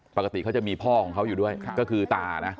ปกติเขาจะมีพ่อของเขาอยู่ด้วยก็คือตานะ